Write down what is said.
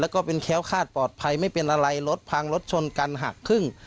แล้วก็เป็นแค้วคาดปลอดภัยไม่เป็นอะไรรถพังรถชนกันหักครึ่ง